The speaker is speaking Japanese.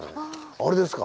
あれですか。